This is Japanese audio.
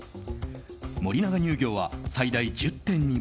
森永乳業は最大１０．２％